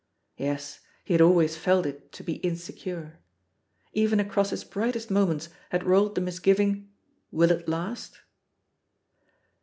Yes, he had al ways felt it to be insecure. Even across his brightest moments had rolled the misgiving, "WiU it last?"